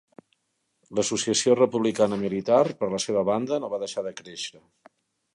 L'Associació Republicana Militar, per la seva banda, no va deixar de créixer.